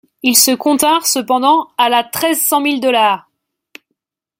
Ils se continrent, cependant, à la « Treize cent mille dollars!